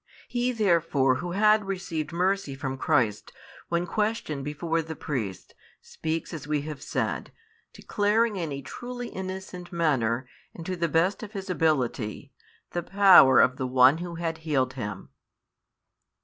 He therefore who had received mercy from Christ, when questioned before the priests, speaks as we have said, declaring in a truly innocent manner, and to the best of his ability, the power of the One Who had healed him.